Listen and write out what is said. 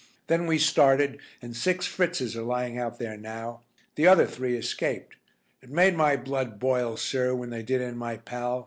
Then we started and six Fritzes are lying out there now. The other three escaped. It made my blood boil, sir, when they did in my pal.